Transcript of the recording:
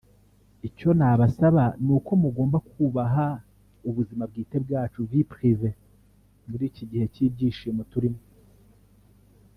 Icyo nabasaba ni uko mugomba kubaha ubuzima bwite bwacu (vie privée) muri iki gihe cy’ibyishimo turimo